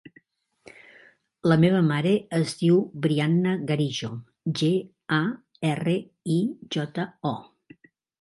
La meva mare es diu Brianna Garijo: ge, a, erra, i, jota, o.